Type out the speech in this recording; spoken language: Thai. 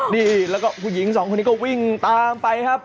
นี่แล้วก็ผู้หญิงสองคนนี้ก็วิ่งตามไปครับ